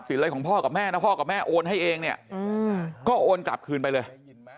เป็นเป็นเรื่องในครอบครัวพ่อแม่ลูก